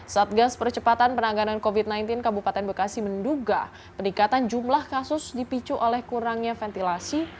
satgas percepatan penanganan covid sembilan belas kabupaten bekasi menduga peningkatan jumlah kasus dipicu oleh kurangnya ventilasi